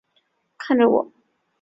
看着我